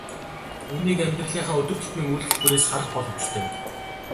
Үүнийг амьдралынхаа өдөр тутмын үйлдэл бүрээс харах боломжтой.